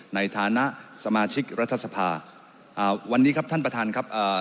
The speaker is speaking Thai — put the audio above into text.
ในฐานะสมาชิกรัฐสภาอ่าวันนี้ครับท่านประธานครับเอ่อ